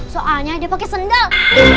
soalnya dia pakai sendal